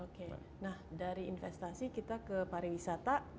oke nah dari investasi kita ke pariwisata